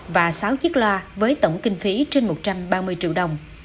và sáu chiếc loa với tổng kinh phí trên một trăm ba mươi triệu đồng